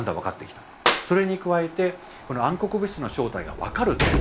それに加えてこの暗黒物質の正体が分かると。